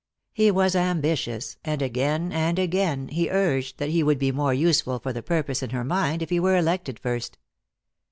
He was ambitious, and again and again he urged that he would be more useful for the purpose in her mind if he were elected first.